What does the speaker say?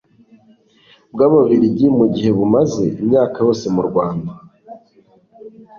bw Ababirigi mu gihe bumaze imyaka yose mu Rwanda